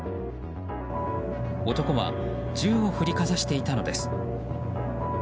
男は銃を振りかざしていたのです。